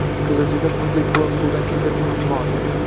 ko‘zachada muzdek buloq suvidan keltirib uni sug‘ordi.